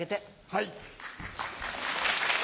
はい。